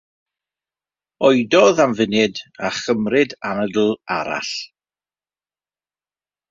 Oedodd am funud a chymryd anadl arall.